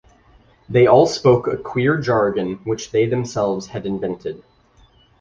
They all spoke a queer jargon which they themselves had invented.